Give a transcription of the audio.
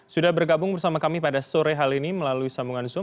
sudah bergabung bersama kami pada sore hari ini melalui sambungan zoom